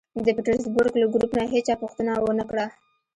د پېټرزبورګ له ګروپ نه هېچا پوښتنه و نه کړه